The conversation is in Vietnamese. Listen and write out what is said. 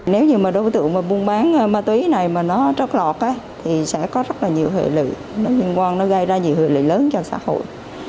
nếu như đối tượng mua bán ma túy trót lọt thì sẽ gây ra nhiều hệ lực lớn cho xã hội